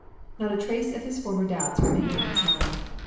Not a trace of his former doubts remained in his mind.